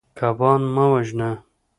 کبان مه وژنه.